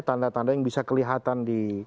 tanda tanda yang bisa kelihatan di